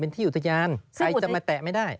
ที่อุทยานใครจะมาแตะไม่ได้